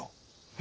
え？